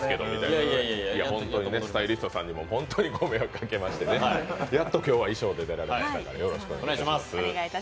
スタイリストさんにも本当にご迷惑をおかけしてやっと今日は衣装で出られましたからよろしくお願いします。